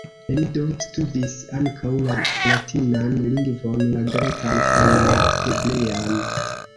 Li, do, studis ankaŭ la latinan lingvon, la grekan kaj la hebrean.